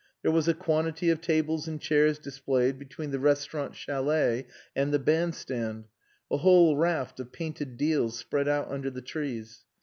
There was a quantity of tables and chairs displayed between the restaurant chalet and the bandstand, a whole raft of painted deals spread out under the trees.